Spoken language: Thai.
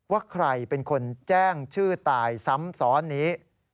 ว่าใครเป็นคนแจ้งชื่อตายซ้ำซ้อนนี้